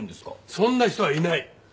そんな人はいない！